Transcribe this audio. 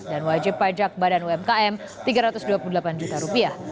dan wajib pajak badan umkm tiga ratus dua puluh delapan juta rupiah